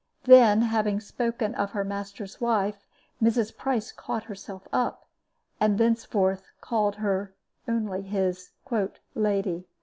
Then, having spoken of her master's wife, Mrs. Price caught herself up, and thenceforth called her only his "lady."